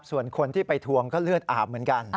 ส่วนคนที่ไปทวงก็เลือดอาบเหมือนกัน